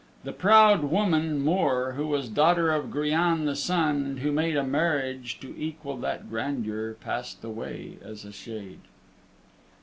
The proud woman, Mor, who was daughter Of Griann, the Sun, and who made A marriage to equal that grandeur, Passed away as a shade.